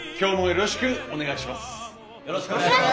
よろしくお願いします。